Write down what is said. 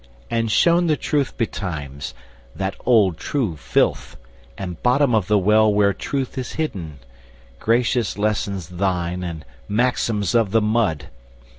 and shown the truth betimes, That old true filth, and bottom of the well Where Truth is hidden. Gracious lessons thine And maxims of the mud!